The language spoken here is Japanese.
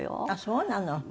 ああそうなの。